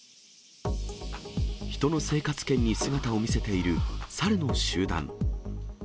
人の生活圏に姿を見せているサルの集団。